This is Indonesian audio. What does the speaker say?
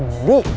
dia udah selesai